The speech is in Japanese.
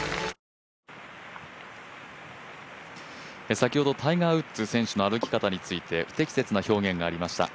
先ほど、タイガー・ウッズの歩き方について不適切な表現がありました。